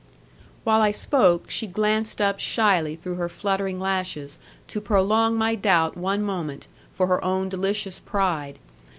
While I spoke, she glanced up shyly through her fluttering lashes, to prolong my doubt one moment, for her own delicious pride.